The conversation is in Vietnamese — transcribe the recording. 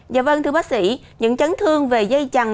dạ vâng thưa bác sĩ những chấn thương về dây chằn